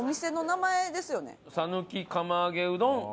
「讃岐釜揚げうどん」。